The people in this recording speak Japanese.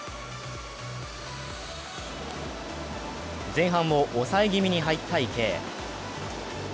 前半を抑え気味に入った池江。